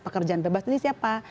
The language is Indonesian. pekerjaan bebas ini siapa